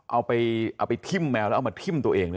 เอาไปทิ้มแมวแล้วเอามาทิ้มตัวเองด้วย